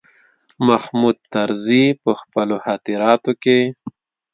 محمود طرزي په خپلو خاطراتو کې.